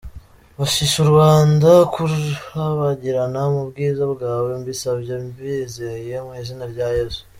Bashisha u Rwanda kurabagirana mu bwiza bwawe, mbisabye mbyizeye mu izina rya Yesu.